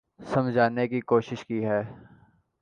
سمجھانے کی کوشش کی ہے